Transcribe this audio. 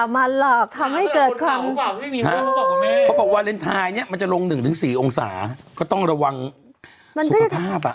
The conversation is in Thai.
พุกของวาเลนไทยนี่มันจะลง๑๔องศาก็ต้องระวังสุขทราบ